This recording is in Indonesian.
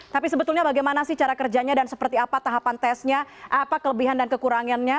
tapi sebetulnya bagaimana sih cara kerjanya dan seperti apa tahapan tesnya apa kelebihan dan kekurangannya